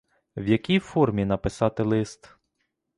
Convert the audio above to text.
В якій формі написати лист?